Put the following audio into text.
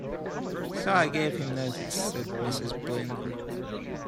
"So I gave him notice," said Mrs. Blinder.